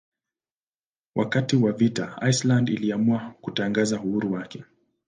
Wakati wa vita Iceland iliamua kutangaza uhuru wake.